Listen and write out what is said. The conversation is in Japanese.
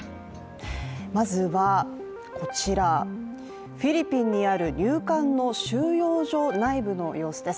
まずは、こちらフィリピンにある入管の収容所内部の様子です。